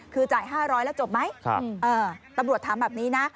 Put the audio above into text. คือจ่าย๕๐๐แล้วจบไหมตำรวจถามแบบนี้นะ